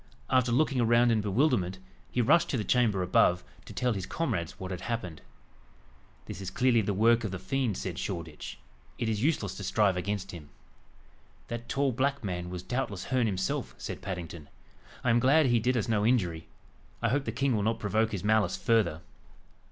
After looking around in bewilderment, he rushed to the chamber above, to tell his comrades what had happened. "This is clearly the work of the fiend," said Shoreditch; "it is useless to strive against him." "That tall black man was doubtless Herne himself." said Paddington. "I am glad he did us no injury. I hope the king will not provoke his malice further."